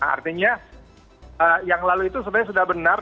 artinya yang lalu itu sebenarnya sudah benar